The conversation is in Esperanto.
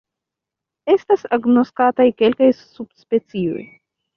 Estas agnoskataj kelkaj subspecioj.